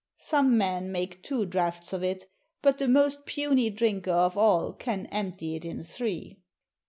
Some men make two draughts of it, but the most puny drinker of all can empty it in three."